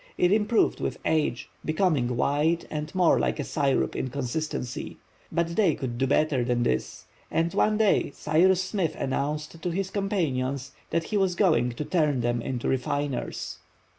It improved with age, becoming whiter and more like a syrup in consistency. But they could do better than this, and one day Cyrus Smith announced to his companions that he was going to turn them into refiners.